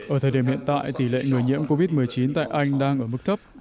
ở thời điểm hiện tại tỷ lệ người nhiễm covid một mươi chín tại anh đang ở mức thấp